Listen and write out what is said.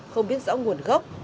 không biết rõ nguồn gốc